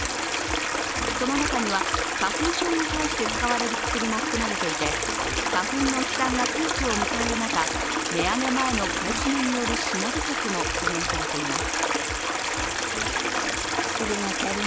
その中には花粉症に対して使われる薬も含まれていて花粉の飛散がピークを迎える中値上げ前の買い占めによる品不足も懸念されています。